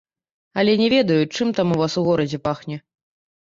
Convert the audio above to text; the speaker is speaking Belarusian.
Але не ведаю, чым там у вас у горадзе пахне.